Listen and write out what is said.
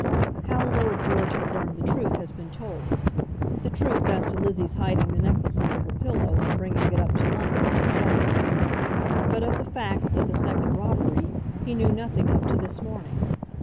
How Lord George had learned the truth has been told; the truth as to Lizzie's hiding the necklace under her pillow and bringing it up to London in her desk. But of the facts of the second robbery he knew nothing up to this morning.